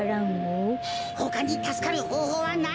ほかにたすかるほうほうはないってか！